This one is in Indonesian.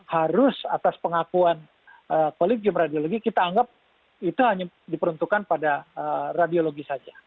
harus atas pengakuan kolegium radiologi kita anggap itu hanya diperuntukkan pada radiologi saja